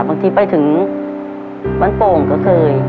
บางทีไปถึงบ้านโป่งก็เคย